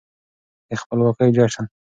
د خپلواکۍ جشن